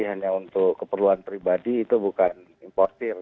hanya untuk keperluan pribadi itu bukan importir